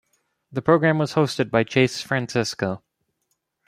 The program was hosted by Chase Francisco.